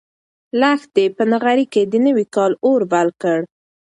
لښتې په نغري کې د نوي کال اور بل کړ.